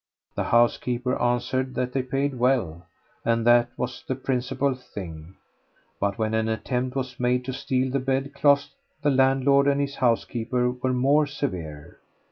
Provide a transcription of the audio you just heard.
The housekeeper answered that they paid well, and that was the principal thing. But when an attempt was made to steal the bedclothes the landlord and his housekeeper were more severe.